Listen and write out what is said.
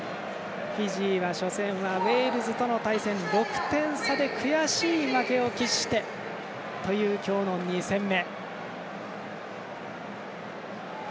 フィジーは初戦はウェールズとの対戦６点差で悔しい負けを喫してという今日の２戦目。